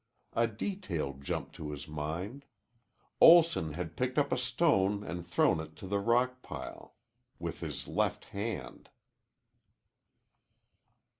A detail jumped to his mind. Olson had picked up a stone and thrown it to the rock pile with his left hand.